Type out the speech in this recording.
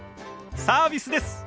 サービスです。